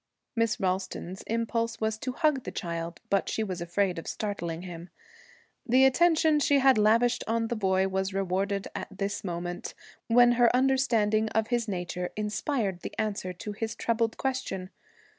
Miss Ralston's impulse was to hug the child, but she was afraid of startling him. The attention she had lavished on the boy was rewarded at this moment, when her understanding of his nature inspired the answer to his troubled question.